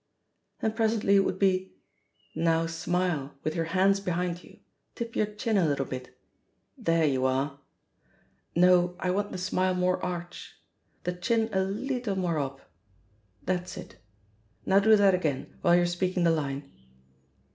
And pres ently it would be, "Now smile, with your hands behind you — ^tip your chin a fittle bit. There you are 1 No ; I want the smile more arch. •.• The chin a leetle more up. ... That's it. Now do that again, while you're speaking the line.